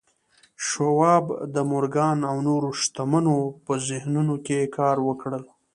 شواب د مورګان او نورو شتمنو په ذهنونو کې کار وکړ